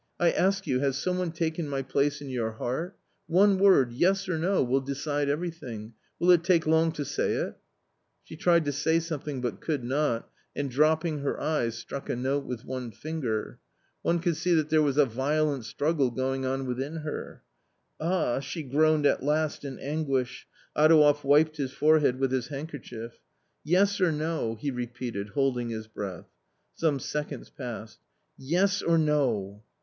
" I ask you — has some one taken my place in your heart ? one word — yes or no — will decide everything ; will it take long to say it ?" She tried to say something but could not, and dropping her eyes struck a note with one finger. One could see that there was a violent struggle going on within her. " Ah !" she groaned at last in anguish. Adouev wiped his forehead with his handkerchief. "Yes or no?" he repeated, holding his breath. Some seconds passed. " Yes or no